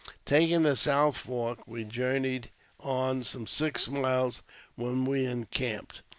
Taking the south fork, we journeyed on some six miles, when we en camped.